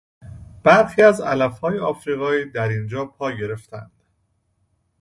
برخی از علف های افریقایی در اینجا پا گرفتهاند.